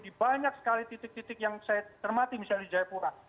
di banyak sekali titik titik yang saya termati misalnya di jayapura